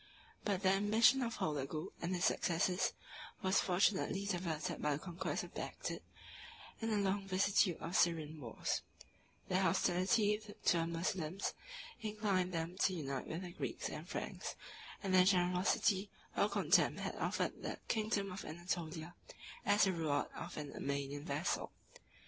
But the ambition of Holagou and his successors was fortunately diverted by the conquest of Bagdad, and a long vicissitude of Syrian wars; their hostility to the Moslems inclined them to unite with the Greeks and Franks; 37 and their generosity or contempt had offered the kingdom of Anatolia as the reward of an Armenian vassal.